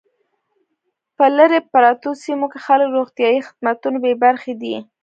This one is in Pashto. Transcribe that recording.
په لري پرتو سیمو کې خلک له روغتیايي خدمتونو بې برخې دي